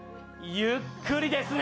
ゆっくりですね。